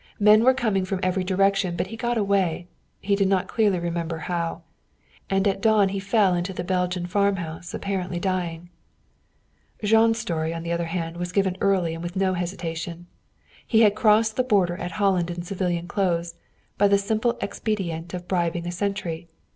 Men were coming from every direction, but he got away he did not clearly remember how. And at dawn he fell into the Belgian farmhouse, apparently dying. Jean's story, on the other hand, was given early and with no hesitation. He had crossed the border at Holland in civilian clothes, by the simple expedient of bribing a sentry.